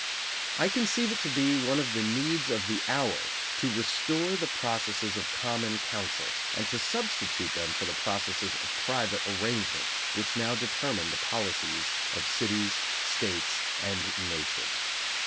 I conceive it to be one of the needs of the hour to restore the processes of common counsel, and to substitute them for the processes of private arrangement which now determine the policies of cities, states, and nation.